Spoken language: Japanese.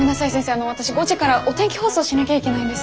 あの私５時からお天気放送しなきゃいけないんです。